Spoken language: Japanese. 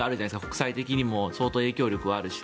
国際的にも相当影響力はあるし。